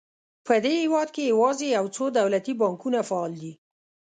په دې هېواد کې یوازې یو څو دولتي بانکونه فعال دي.